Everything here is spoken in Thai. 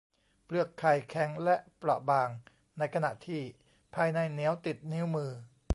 เปลือกไข่แข็งและเปราะบาง ในขณะที่ภายในเหนียวติดนิ้วมือ